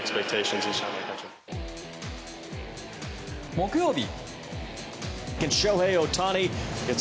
木曜日。